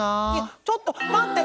ちょっと待って！